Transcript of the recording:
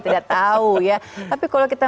tidak tahu ya tapi kalau kita